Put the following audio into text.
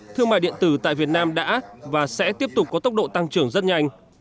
thương mại điện tử tại việt nam đã và sẽ tiếp tục có tốc độ tăng trưởng rất nhanh